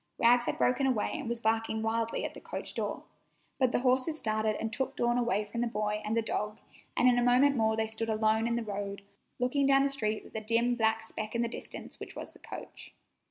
Rags had broken away and was barking wildly at the coach door, but the horses started and took Dawn away from the boy and the dog, and in a moment more they stood alone in the road, looking down the street at the dim black speck in the distance which was the coach.